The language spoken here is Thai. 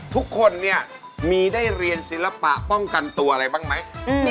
ทุกคนเนี่ยมีได้เรียนศิลปะป้องกันตัวอะไรบ้างไหม